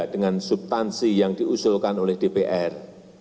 dengan subtansi yang diusulkan oleh dpr